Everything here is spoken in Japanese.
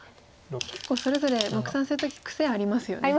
結構それぞれ目算する時癖ありますよね。